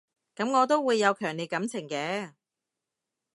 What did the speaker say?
噉我都會有強烈感情嘅